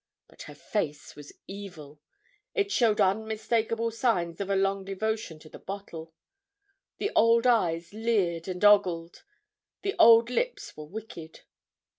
But her face was evil; it showed unmistakable signs of a long devotion to the bottle; the old eyes leered and ogled, the old lips were wicked.